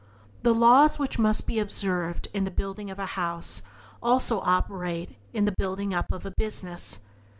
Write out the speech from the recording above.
The laws which must be observed in the building of a house also operate in the building up of a business.